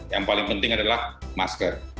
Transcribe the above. yang paling penting adalah masker